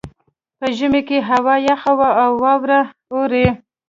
په ژمي کې هوا یخه وي او واوره اوري